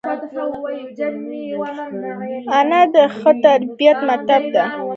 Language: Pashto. انا د ښه تربیت مکتب ده